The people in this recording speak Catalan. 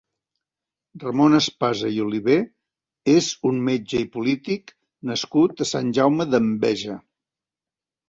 Ramon Espasa i Oliver és un metge i polític nascut a Sant Jaume d'Enveja.